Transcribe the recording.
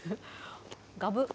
がぶっ。